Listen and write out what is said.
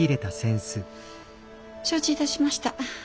承知いたしました。